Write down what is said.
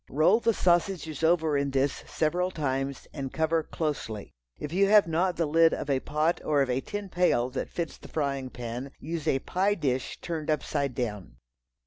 Roll the sausages over in this several times and cover closely. If you have not the lid of a pot or of a tin pail that fits the frying pan, use a pie dish turned upside down.